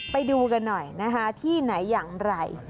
ไปดูกันหน่อยนะคะที่ไหนอย่างไร